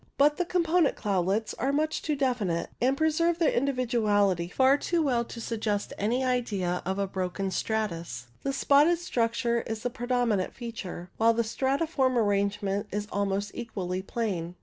But the component cloudlets are much too definite, and preserve their individuality far too well to suggest any idea of a broken stratus ; the spotted structure is the predominant feature, while the stratiform arrangement is almost equally plain.